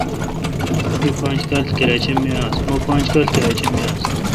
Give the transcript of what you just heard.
می پانج کال کراچی می آس۔